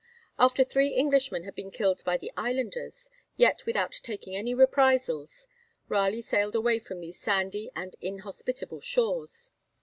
After three Englishmen had been killed by the islanders, yet without taking any reprisals, Raleigh sailed away from these sandy and inhospitable shores.